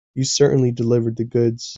You certainly delivered the goods.